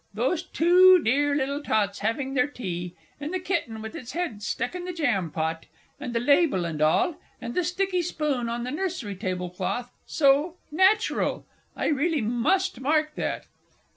Those two dear little tots having their tea, and the kitten with its head stuck in the jam pot, and the label and all, and the sticky spoon on the nursery table cloth so natural! I really must mark that.